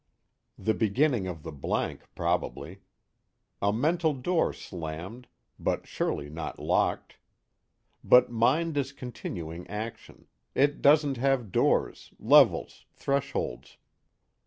The beginning of the blank, probably. A mental door slammed, but surely not locked. But mind is continuing action: it doesn't have doors, levels, thresholds.